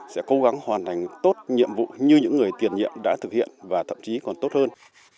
sẽ cố gắng hoàn thành tốt nhiệm vụ như những người tiền nhiệm đã thực hiện và thậm chí còn tốt hơn